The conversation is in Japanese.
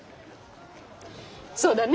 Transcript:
そうだね。